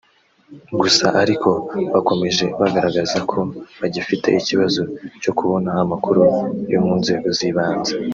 Gusa ariko bakomeje bagaragaza ko bagifite ikibazo cyo kubona amakuru yo mu nzego z’ibanze